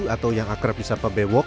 atau yang akrab pisah pebewok